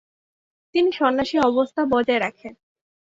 তিনি সন্ন্যাসী অবস্থা বজায় রাখে।